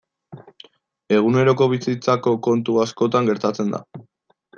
Eguneroko bizitzako kontu askotan gertatzen da.